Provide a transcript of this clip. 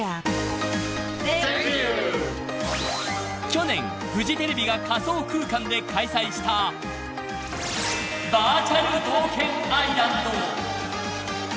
Ｔｈａｎｋｙｏｕ．［去年フジテレビが仮想空間で開催したバーチャル冒険アイランド］